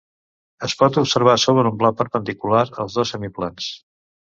Es pot observar sobre un pla perpendicular als dos semiplans.